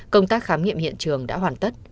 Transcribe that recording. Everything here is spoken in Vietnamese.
công tác khám nghiệm hiện trường đã hoàn tất